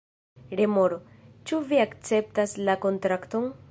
Remoro: "Ĉu vi akceptas la kontrakton?"